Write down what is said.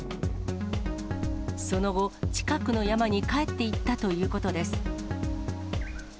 その後、近くの山に帰っていったということです。